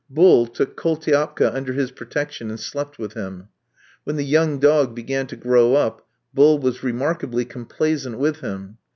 Bull took Koultiapka under his protection, and slept with him. When the young dog began to grow up, Bull was remarkably complaisant with him.